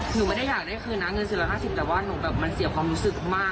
หนูไม่ได้อยากได้คืนนะเงิน๔๕๐แต่ว่าหนูแบบมันเสียความรู้สึกมาก